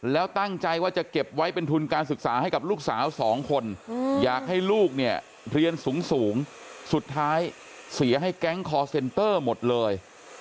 แล้วตั้งใจว่าจะเก็บไว้เป็นทุนการศึกษาให้กับลูกสาวสองคนอยากให้ลูกเนี่ยเรียนสูงสุดท้ายเสียให้แก๊งคอร์เซ็นเตอร์หมดเลย